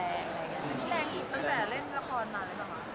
มันแรงอีกตั้งแต่เล่นกระพอร์นมากเลยหรอคะ